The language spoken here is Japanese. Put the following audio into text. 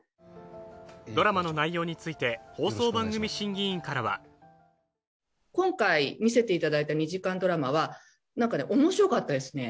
ドラマの内容について放送番組審議委員からは今回見せていただいた２時間ドラマはなんかねおもしろかったですね。